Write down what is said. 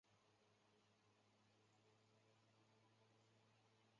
后担任解放军总后勤部副部长。